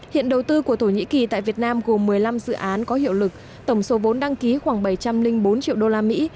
hiện đầu tư của thổ nhĩ kỳ tại việt nam gồm một mươi năm dự án có hiệu lực tổng số vốn đăng ký khoảng bảy trăm linh bốn triệu đô la mỹ